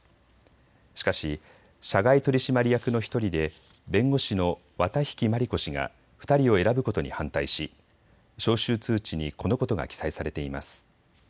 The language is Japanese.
しかし社外取締役の１人で弁護士の綿引万里子氏が２人を選ぶことに反対し招集通知にこのことが記載されています。